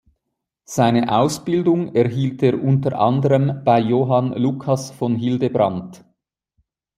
Seine Ausbildung erhielt er unter anderem bei Johann Lucas von Hildebrandt.